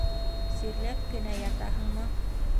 Сирләп кенә ятаһыңмы